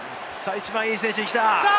一番いい選手に来た！